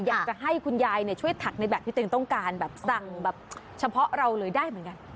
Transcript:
อยากจะให้คุณยายช่วยถักในแบบที่ตัวเองต้องการแบบสั่งแบบเฉพาะเราเลยได้เหมือนกัน